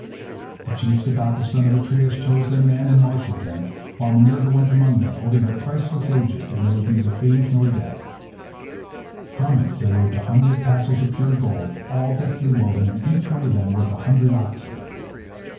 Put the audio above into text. The chiefs about the son of Atreus chose their men and marshalled them, while Minerva went among them holding her priceless aegis that knows neither age nor death. From it there waved a hundred tassels of pure gold, all deftly woven, and each one of them worth a hundred oxen.